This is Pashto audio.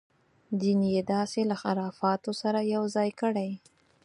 دین یې داسې له خرافاتو سره یو ځای کړی.